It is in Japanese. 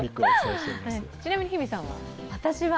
ちなみに日比さんは？